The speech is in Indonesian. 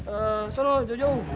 eh sana jauh jauh